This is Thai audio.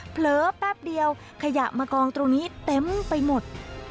เผลอแป๊บเดียวขยะมากองตรงนี้เต็มไปหมด